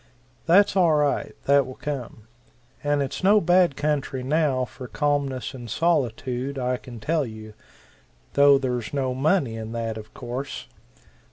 That's all right that will come. And it's no bad country now for calmness and solitude, I can tell you though there's no money in that, of course.